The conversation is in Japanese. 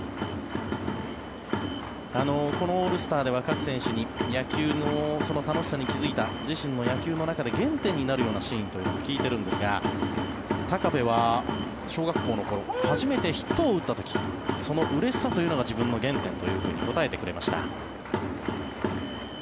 このオールスターでは各選手に野球の楽しさに気付いた自身の野球の中で原点になるようなシーンというのを聞いているんですが高部は小学校の頃初めてヒットを打った時そのうれしさというのが自分の原点と答えてくれました。